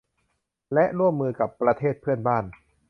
และร่วมมือกับประเทศเพื่อนบ้าน